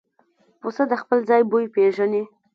پسه د خپل ځای بوی پېژني.